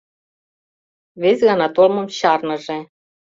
Вес гана толмым чарныже.